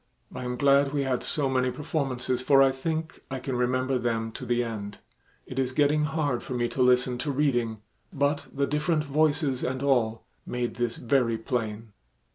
I am glad we had so many performances, for I think I can remember them to the end. It is getting hard for me to listen to reading, but the different voices and all made this very plain."